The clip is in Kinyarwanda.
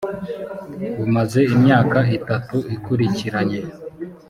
bumaze imyaka itatu ikurikiranye